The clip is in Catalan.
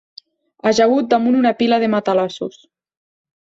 Ajagut damunt una pila de matalassos